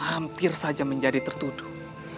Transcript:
hampir saja menjadi tertuduh